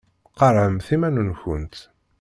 Qarɛemt iman-nkent.